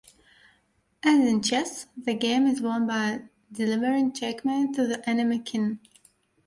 As in chess, the game is won by delivering checkmate to the enemy king.